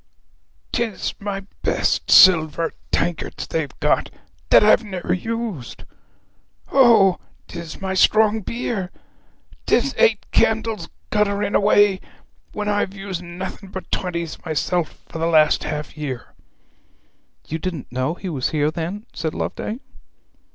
''Tis my best silver tankards they've got, that I've never used! O! 'tis my strong beer! 'Tis eight candles guttering away, when I've used nothing but twenties myself for the last half year!' 'You didn't know he was here, then?' said Loveday.